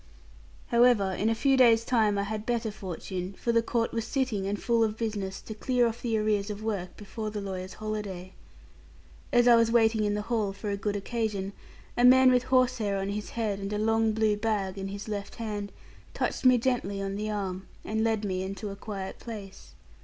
However, in a few days' time, I had better fortune; for the court was sitting and full of business, to clear off the arrears of work, before the lawyers' holiday. As I was waiting in the hall for a good occasion, a man with horsehair on his head, and a long blue bag in his left hand, touched me gently on the arm, and led me into a quiet place.